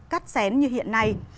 cắt xén như hiện nay